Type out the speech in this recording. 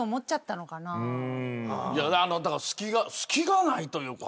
だから隙がないというか。